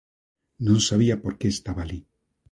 Non sabía por que estaba alí.